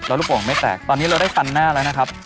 แล้วลูกโป่งไม่แตกตอนนี้เราได้ฟันหน้าแล้วนะครับ